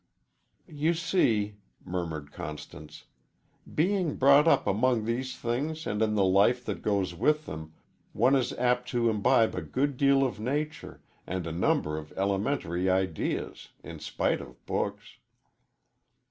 "You see," murmured Constance, "being brought up among these things and in the life that goes with them, one is apt to imbibe a good deal of nature and a number of elementary ideas, in spite of books."